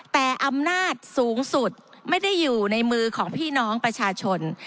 แต่อำนาจสูงสุดไม่ได้อยู่ในมือของพี่น้องประชาชน